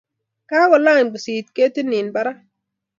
Kakolant pusit ketit nin parak.